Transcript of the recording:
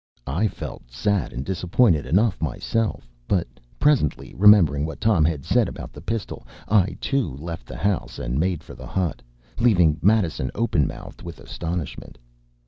I felt sad and disappointed enough myself; but presently, remembering what Tom had said about the pistol, I, too left the house, and made for the hut, leaving Madison open mouthed with astonishment.